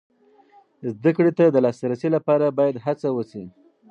زده کړې ته د لاسرسي لپاره باید هڅه وسي.